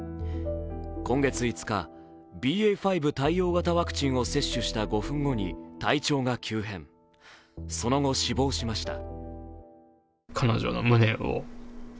今月５日ＢＡ．５対応型ワクチンを接種した５分後に体調が急変、その後、死亡しました。